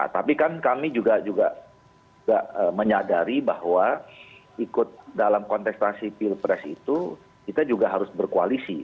tapi kan kami juga menyadari bahwa ikut dalam kontestasi pilpres itu kita juga harus berkoalisi